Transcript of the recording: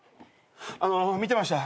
あの見てました。